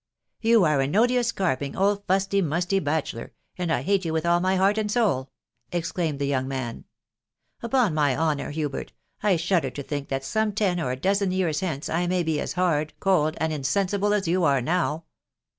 "You are an odious, carping) old fu&V? mu»V| >*&&&* i <( THE WIDOW BABXABY, 165 and I hate you with all my heart and soul !" exclaimed the young man. " Upon my honour, Hubert, I shudder to think . that some ten or a dozen years hence I may be as hard, cold, and insensible as you are now.